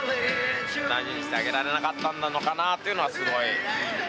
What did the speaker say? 大事にしてあげられなかったのかなっていうのはすごい。